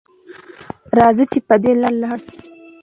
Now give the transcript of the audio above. راځئ چې په دې لاره لاړ شو.